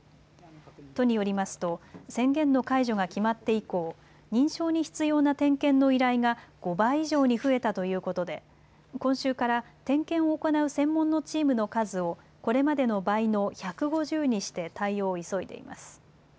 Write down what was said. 都によりますと宣言の解除が決まって以降、認証に必要な点検の依頼が５倍以上に増えたということで今週から点検を行う専門のチームの数をこれまでの倍の１５０にして対応を急いでいます。